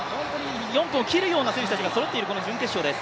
４分を切るような選手たちがそろっているこの準決勝です。